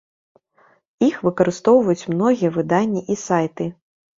Іх выкарыстоўваюць многія выданні і сайты.